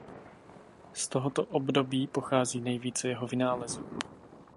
Z tohoto období pochází nejvíce jeho vynálezů.